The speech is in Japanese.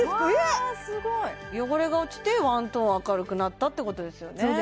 うわすごい汚れが落ちてワントーン明るくなったってことですよね